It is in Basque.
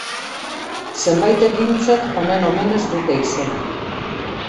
Zenbait ekintzek honen omenez dute izena.